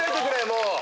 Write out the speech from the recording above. もう。